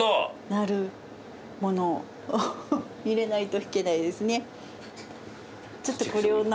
なるものを入れないといけないですね。